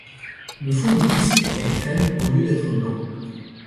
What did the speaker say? Le fond du disque est crème au lieu d'être blanc.